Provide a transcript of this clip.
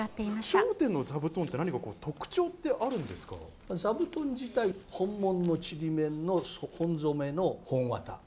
笑点の座布団って、何か特徴座布団自体、本物のちりめんの本染の本綿。